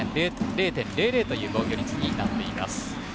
０．００という防御率になっています。